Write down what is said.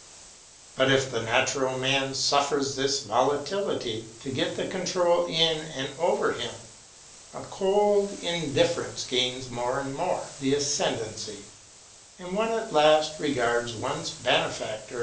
But, if the natural man suffers this volatility to get the control in and over him, a cold indifference gains more and more the ascendency, and one at last regards one's benefactor